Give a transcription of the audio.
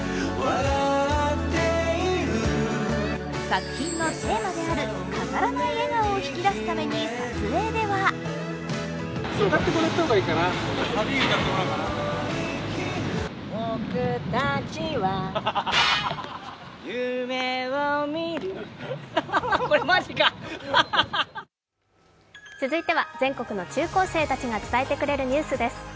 作品のテーマである飾らない笑顔を引き出すために撮影では続いては全国の中高生たちが伝えてくれるニュースです。